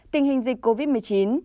một tình hình dịch covid một mươi chín